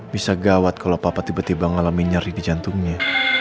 bisa gawat kalau papa tiba tiba ngalami nyari di jantungnya